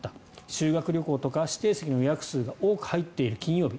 修学旅行とか指定席の予約数が多く入っている金曜日。